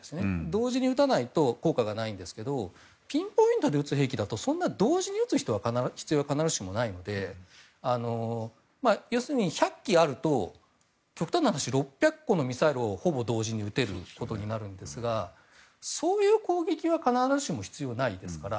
同時に撃たないと効果がないんですけどピンポイントで撃つ兵器だと同時に打つ必要は必ずしもないので要するに１００基あると極端な話６００個のミサイルをほぼ同時に撃てることになるんですがそういう攻撃は必ずしも必要ないですから。